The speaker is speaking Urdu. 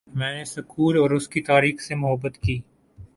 میں نے سکول اور اس کی تاریخ سے محبت کی